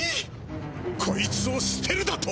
こいつをすてるだと！？